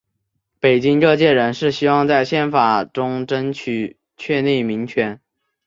北京各界人士希望在宪法中争取确立民权。